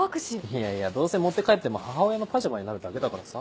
いやいやどうせ持って帰っても母親のパジャマになるだけだからさ。